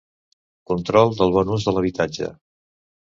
Control del bon ús de l'habitatge.